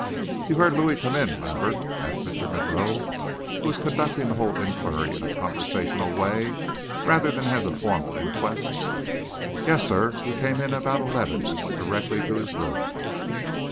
"You heard Louis come in, Lambert?" asked Mr. Monroe, who was conducting the whole inquiry in a conversational way, rather than as a formal inquest. "Yes, sir; he came in about eleven, and went directly to his room."